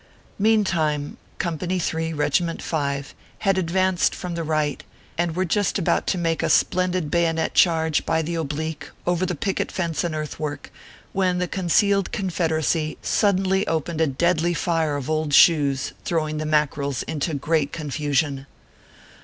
Meantime, Company 3, Kegiment 5, had advanced from the right, and were just about to make a spendid bayonet charge, by the oblique, over the picket fence and earthwork, when the concealed Confederacy sud denly opened a deadly fire of old shoes, throwing the Mackerels into great confusion.